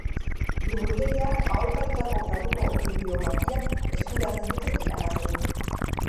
Liburutegiak aholkatutako Graduko bibliografia eskuratzen dute irakasleek.